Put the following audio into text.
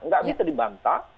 nggak bisa dibantah